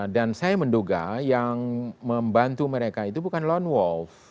dan saya menduga yang membantu mereka itu bukan lone wolf